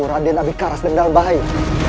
merandai nabi karas dalam bahaya